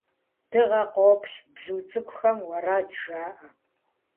Дыгъэ къопс, бзу цӏыкӏухэм уэрэд жаӏэ!